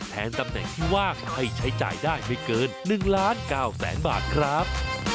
ตำแหน่งที่ว่างให้ใช้จ่ายได้ไม่เกิน๑ล้าน๙แสนบาทครับ